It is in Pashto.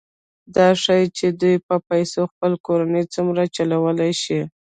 دا ښيي چې دوی په پیسو خپله کورنۍ څومره چلولی شي